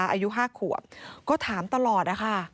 อายุ๕ขวบก็ถามตลอดนะคะ